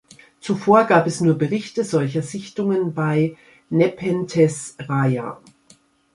Zuvor gab es nur Berichte solcher Sichtungen bei "Nepenthes rajah".